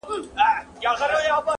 په ژړا ژړا یې وایستم له ښاره!!